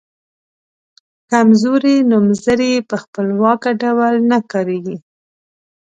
کمزوري نومځري په خپلواکه ډول نه کاریږي.